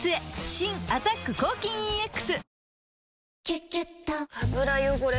新「アタック抗菌ＥＸ」「キュキュット」油汚れ